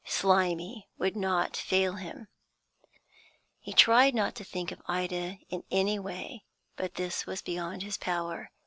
Slimy would not fail him. He tried not to think of Ida in any way, but this was beyond his power.